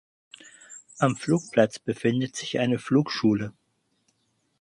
Am Flugplatz befindet sich eine Flugschule.